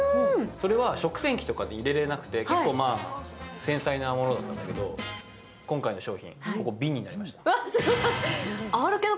それは食洗機とかに入れれなくて結構、繊細なものだったんだけど、今回の商品、瓶になりました。